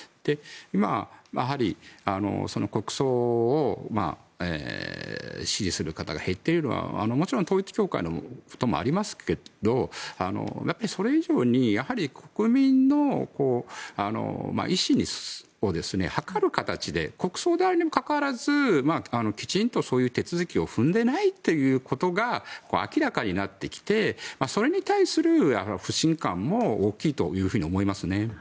今、国葬を支持する方が減っているのはもちろん、統一教会のこともありますけどやっぱり、それ以上に国民の意思を図る形で国葬であるにもかかわらずきちんとそういう手続きを踏んでいないということが明らかになってきてそれに対する不信感も大きいと思いますね。